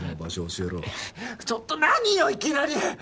教えろちょっと何よいきなり！